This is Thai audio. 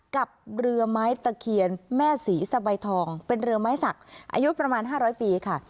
กับเรือไม้ตะเคียนแม่ศรีสะใบทองเป็นเรือไม้สักอายุประมาณ๕๐๐ปีค่ะ